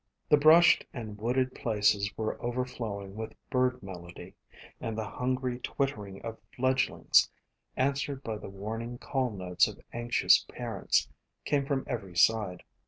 The brushed and wooded places were overflow ing with bird melody, and the hungry twittering of fledglings, answered by the warning call notes of anxious parents, came from every side.